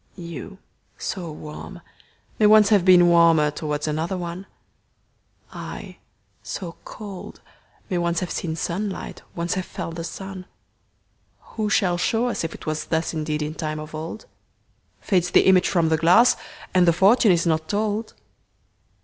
You, so warm, may once have beenWarmer towards another one:I, so cold, may once have seenSunlight, once have felt the sun:Who shall show us if it wasThus indeed in time of old? Fades the image from the glass, And the fortune is not told.